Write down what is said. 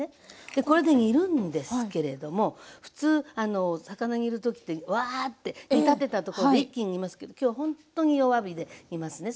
でこれで煮るんですけれども普通魚煮る時ってわあって煮立てたところ一気に煮ますけど今日はほんっとに弱火で煮ますね。